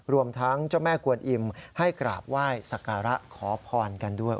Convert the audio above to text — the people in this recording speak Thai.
รวมทั้งเจ้าแม่กวนอิมให้กราบไหว้สักการะขอพรกันด้วย